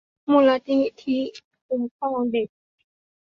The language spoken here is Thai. มูลนิธิคุ้มครองเด็ก